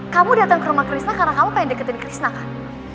kamu dateng ke rumah krishna karena kamu pengen deketin krishna kan